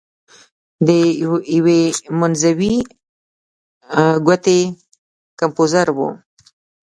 د یوې منځوۍ ګوتې کمپوزر و.